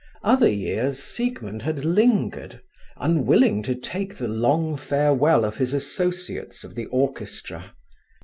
Other years Siegmund had lingered, unwilling to take the long farewell of his associates of the orchestra.